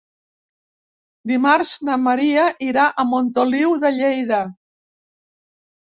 Dimarts na Maria irà a Montoliu de Lleida.